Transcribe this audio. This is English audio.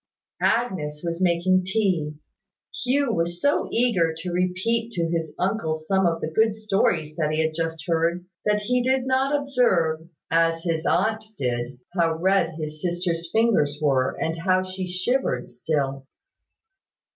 Agnes was making tea. Hugh was so eager to repeat to his uncle some of the good stories that he had just heard, that he did not observe, as his aunt did, how red his sister's fingers were, and how she shivered still.